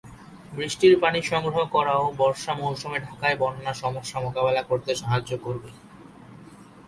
বৃষ্টির পানি সংগ্রহ করাও বর্ষা মৌসুমে ঢাকায় বন্যা সমস্যা মোকাবেলা করতে সাহায্য করবে।